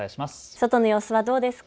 外の様子はどうですか。